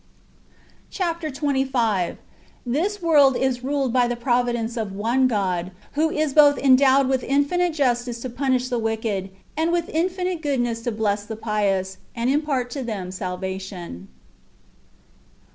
Chap. xxv. — This loorld is ruled hy the providence of one God, icho is both endowed with infinite justice to punish the ivicked, and with infinite goodness to bless the pious, and impart to them scdvation.